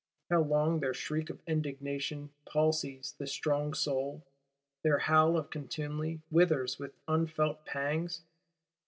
How their shriek of indignation palsies the strong soul; their howl of contumely withers with unfelt pangs?